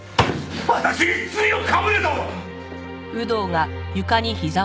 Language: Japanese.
私に罪をかぶれと！？